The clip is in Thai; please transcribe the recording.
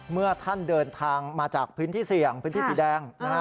เมื่อท่านเดินทางมาจากพื้นที่เสี่ยงพื้นที่สีแดง